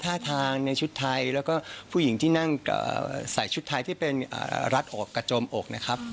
ถ้าทางชุดไทยและพี่หญิงที่นั่งใส่ชุดไทยที่เป็นรัดกระจมอกนะครับ